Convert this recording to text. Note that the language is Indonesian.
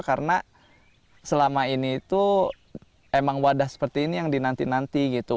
karena selama ini itu emang wadah seperti ini yang dinanti nanti gitu